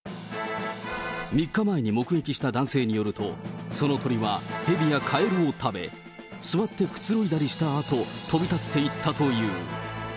３日前に目撃した男性によると、その鳥は、ヘビやカエルを食べ、座ってくつろいだりしたあと、飛び立っていったという。